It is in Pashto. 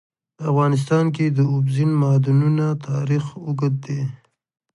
په افغانستان کې د اوبزین معدنونه تاریخ اوږد دی.